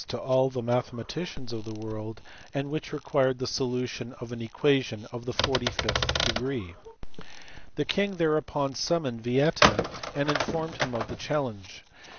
230) to all the mathematicians of the world and which required the solu tion of an equation of the 45th degree. The king thereupon summoned Vieta, and informed him of the challenge.